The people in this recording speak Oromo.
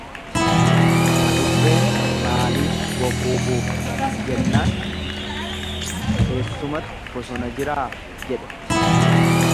Adurreen maaliif boquu buufti jennaan eessumatu bosona jiraa jedhe.